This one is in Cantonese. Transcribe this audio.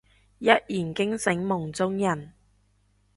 一言驚醒夢中人